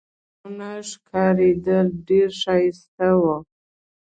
لاندي باغونه ښکارېدل، ډېر ښایسته وو.